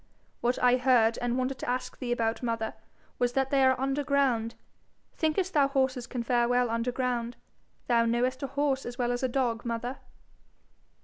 'What I heard, and wanted to ask thee about, mother, was that they are under ground. Thinkest thou horses can fare well under ground? Thou knowest a horse as well as a dog, mother.'